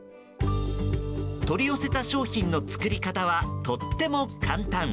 取り寄せた商品の作り方はとても簡単。